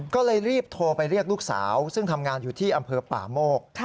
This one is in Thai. ก็เลยรีบโทรไปเรียกลูกสาวซึ่งทำงานอยู่ที่อำเภอป่าโมก